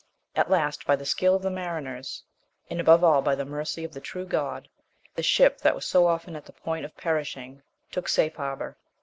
At last, by the skill of the mariners, and above all by the mercy of the true God, the ship that was so often at the point of perishing, took safe harbour.